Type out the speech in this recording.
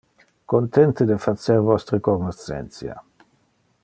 Contente de facer vostre cognoscentia!